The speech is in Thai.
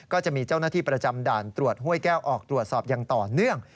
ก็จะมีเจ้าหน้าที่ประจำด่านตรวจห้วยแก้วออกตรวจสอบอย่างต่อเนื่อง